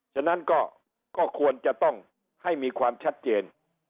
ฉะนั้นก็ควรจะต้องให้มีความชัดเจน